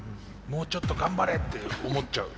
もうちょっと頑張れ！って思っちゃう。